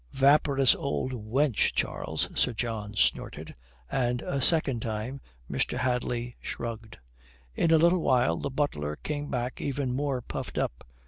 "Vaporous old wench, Charles," Sir John snorted. And a second time Mr. Hadley shrugged. In a little while the butler came back even more puffed up.